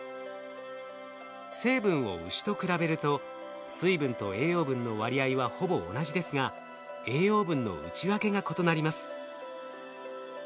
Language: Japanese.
成分をウシと比べると水分と栄養分の割合はほぼ同じですが栄養分の内訳が異なります。